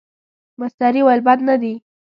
مستري وویل بد نه دي.